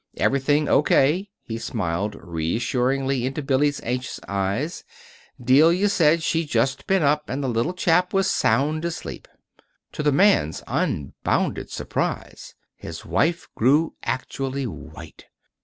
"Everything O. K.," he smiled reassuringly into Billy's anxious eyes. "Delia said she'd just been up, and the little chap was sound asleep." To the man's unbounded surprise, his wife grew actually white.